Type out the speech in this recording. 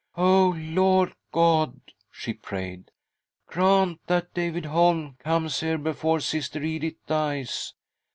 " Oh, Lord God !" she prayed, " grant that David Holm comes here before Sister Edith dies